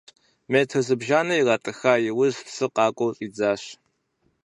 Метр зыбжанэкӏэ иратӏыха иужь, псы къакӏуэу щӏидзащ.